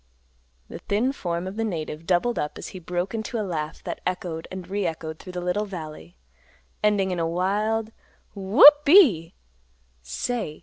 The thin form of the native doubled up as he broke into a laugh that echoed and re echoed through the little valley, ending in a wild, "Whoop e e e. Say!